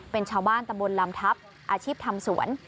เป็นชาวบ้านตำบลลำทัพอาชีพทำสวน